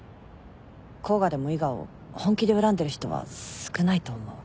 甲賀でも伊賀を本気で恨んでる人は少ないと思う。